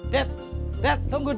dad dad tunggu dad